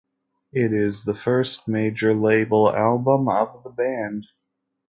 It is the first major label album of the band.